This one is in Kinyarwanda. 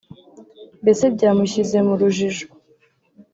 mbese byamushyize mu rujijo